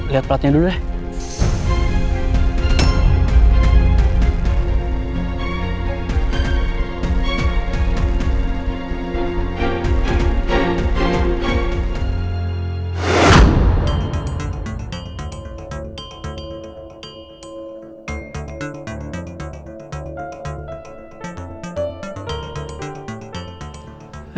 lihat platnya dulu deh